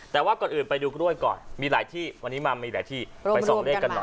แต่ว่าก่อนอื่นไปดูกล้วยก่อนมีหลายที่วันนี้มามีหลายที่ไปส่องเลขกันหน่อย